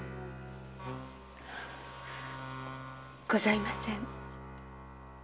ございません。